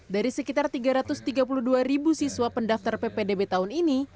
dari sekitar tiga ratus tiga puluh dua ribu siswa pendaftar ppdb tahun ini